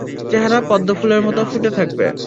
চেহারা পদ্মফুলের মতো ফুটে থাকবে।